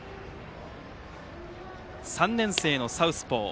３年生のサウスポー。